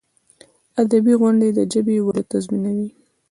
ادبي غونډي د ژبي وده تضمینوي.